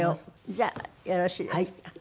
じゃあよろしいですか？